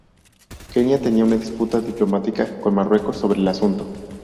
Kenia tenía una disputa diplomática con Marruecos sobre el asunto.